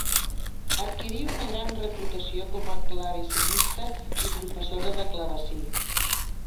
Adquirí una gran reputació com a clavecinista i professora de clavecí.